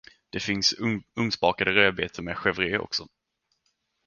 Det finns ugnsbakade rödbetor med chèvre, också.